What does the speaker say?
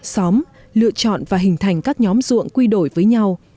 xóm lựa chọn và hình thành các nhóm ruộng quy đổi với nhau